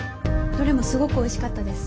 どれもすごくおいしかったです。